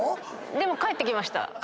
⁉でも帰ってきました。